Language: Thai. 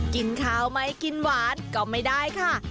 กินข้าวไหมกินหวานก็ไม่ได้ค่ะ